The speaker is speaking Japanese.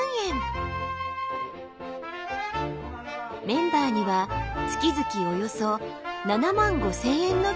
メンバーには月々およそ７万５，０００円の給料が支払われます。